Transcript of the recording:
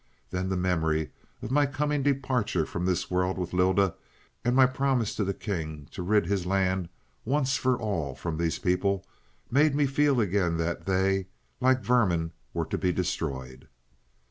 Then the memory of my coming departure from this world with Lylda, and my promise to the king to rid his land once for all from these people, made me feel again that they, like vermin, were to be destroyed.